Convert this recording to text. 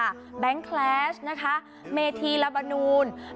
แบงค์แคลชนะคะเมธีระบนูลพระรพลพลกองเสงค่ะพี่โจอิบอยและนักร้องขวัญใจชาวไทยพี่ตูนบอดี้แซลมนะคะ